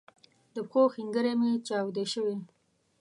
د پښو ښنګري می چاودی شوي